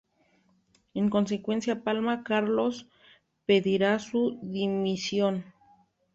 En consecuencia, Palma Carlos pedirá su dimisión.